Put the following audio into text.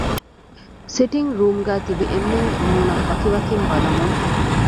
ސިޓިންގ ރޫމްގައި ތިބި އެންމެންގެ މޫނަށް ވަކިވަކިން ބަލަމުން